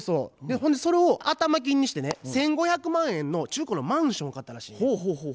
ほんでそれを頭金にしてね１，５００万円の中古のマンションを買ったらしいねん。